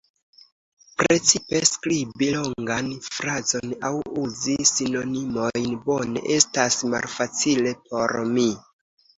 Precipe skribi longan frazon aŭ uzi sinonimojn bone estas malfacile por mi.